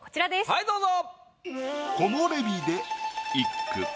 はいどうぞ。